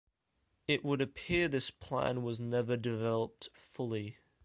It would appear this plan was never developed fully.